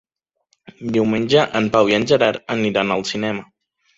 Diumenge en Pau i en Gerard aniran al cinema.